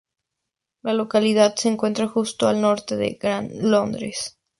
La localidad se encuentra justo al norte de Gran Londres.